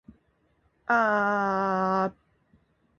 愛と友情の間には違いがある。